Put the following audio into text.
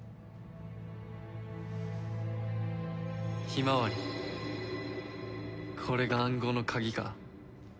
ひまわりこれが暗号の鍵か？